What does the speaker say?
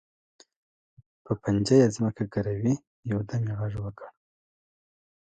په پنجه یې ځمکه ګروي، یو دم یې غږ وکړ.